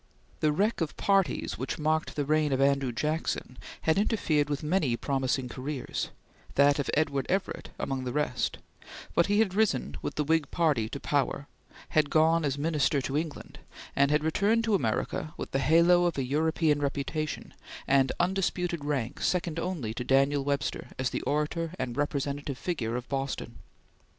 The wreck of parties which marked the reign of Andrew Jackson had interfered with many promising careers, that of Edward Everett among the rest, but he had risen with the Whig Party to power, had gone as Minister to England, and had returned to America with the halo of a European reputation, and undisputed rank second only to Daniel Webster as the orator and representative figure of Boston.